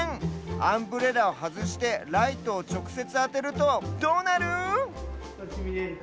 アンブレラをはずしてライトをちょくせつあてるとどうなる？